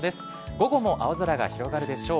午後も青空が広がるでしょう。